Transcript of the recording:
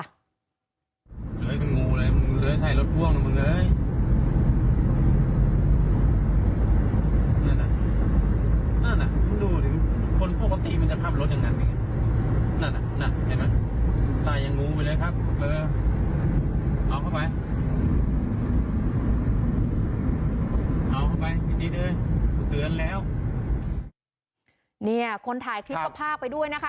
เนี่ยคนถ่ายคลิปก็พากไปด้วยนะคะ